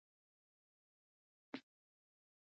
اوړي د افغانستان په هره برخه کې موندل کېږي.